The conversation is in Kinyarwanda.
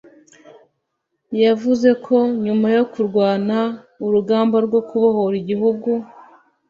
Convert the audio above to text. yavuze ko nyuma yo kurwana urugamba rwo kubohora igihugu